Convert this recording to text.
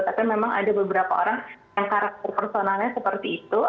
tapi memang ada beberapa orang yang karakter personalnya seperti itu